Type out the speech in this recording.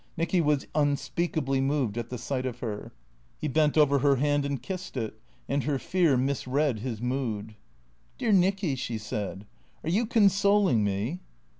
Nicky was unspeakably moved at the sight of her. He bent over her hand and kissed it ; and her fear misread his mood. "Dear Nicky," she said, "are you consoling me?"